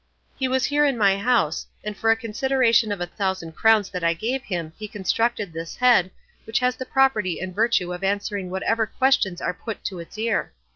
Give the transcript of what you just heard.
He was here in my house, and for a consideration of a thousand crowns that I gave him he constructed this head, which has the property and virtue of answering whatever questions are put to its ear.